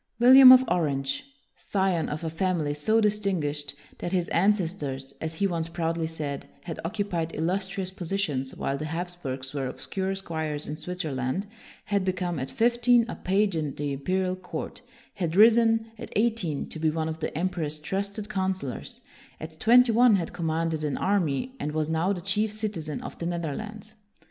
William of Orange, scion of a family so distinguished that his ancestors, as he once proudly said, had occupied illustrious positions while the Hapsburgs were obscure squires in Swit zerland, had become, at fifteen, a page in the imperial court, had risen, at eighteen, to be one of the emperor's trusted coun selors, at twenty one had commanded an army, and was now the chief citizen of the Netherlands.